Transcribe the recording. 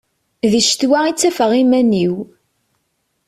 Di ccetwa i ttafeɣ iman-iw.